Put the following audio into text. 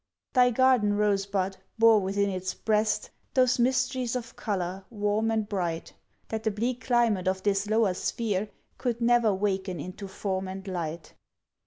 Thy garden rosebud bore within its breast Those mysteries of color, warm and bright, That the bleak climate of this lower sphere Could never waken into form and light.